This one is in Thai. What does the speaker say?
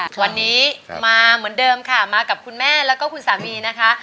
วันนี้มาเหมือนเดิมค่ะมากับคุณแม่แล้วก็คุณสามีนะคะ